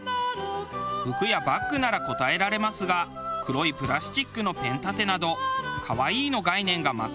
服やバッグなら答えられますが黒いプラスチックのペン立てなど。